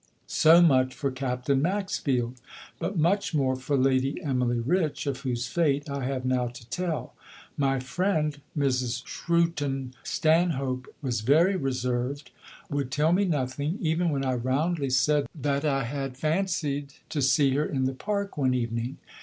So much for Captain Maxfield! But much more for Lady Emily Rich, of whose fate I have now to tell. My friend, Mrs. Shrewton Stanhope, was very reserved, would tell me nothing, even when I roundly said that I had fancied to see her in the park one evening.